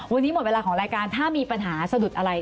วันนี้หมดเวลาของรายการถ้ามีปัญหาสะดุดอะไร